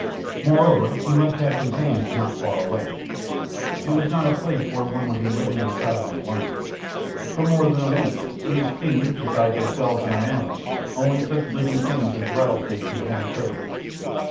Moreover, he must have companions not far away; it was not a place where one would be living or traveling alone. For more than a week we had seen, besides ourselves and our animals, only such living things as rattlesnakes and horned toads.